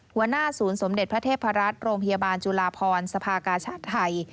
หัวหน้าศูนย์สมเด็จพระเทพรัฐโรงพยาบาลจุลาพรสภากาชาติไทย